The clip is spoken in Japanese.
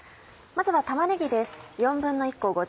まずは玉ねぎです。